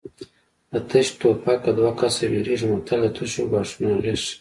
د تش ټوپکه دوه کسه ویرېږي متل د تشو ګواښونو اغېز ښيي